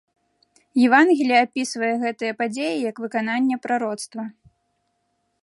Евангелле апісвае гэтыя падзеі як выкананне прароцтва.